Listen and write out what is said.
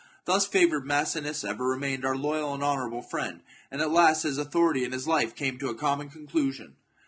Thus favoured, Massinissa ever remained our loyal and honourable friend, and at last his authority and his life came to a common conclusion.